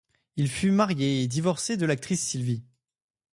Il fut marié et divorcé de l'actrice Sylvie.